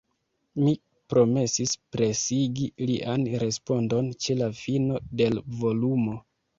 Mi promesis presigi lian respondon ĉe la fino de l' volumo.